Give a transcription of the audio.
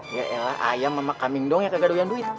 ya elah ayam sama kaming dong yang kagak doyan duit